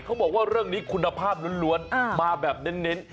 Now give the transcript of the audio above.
เขาบอกว่าเรื่องนี้คุณภาพล้วนมาแบบเน้น